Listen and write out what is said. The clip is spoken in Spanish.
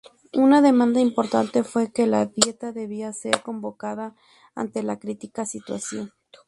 Una demanda importante fue que la dieta debía ser convocada ante la crítica situación.